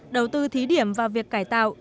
đầu tư thí điểm vào việc cải tạo